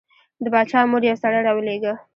د باچا مور یو سړی راولېږه.